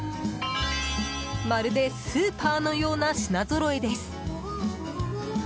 まるでスーパーのような品ぞろえです。